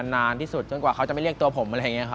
นานที่สุดจนกว่าเขาจะไม่เรียกตัวผม